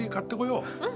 うん。